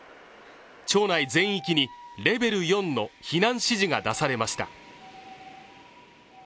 町内全域にレベル４の避難指示が出されました。